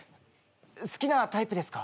好きなタイプですか？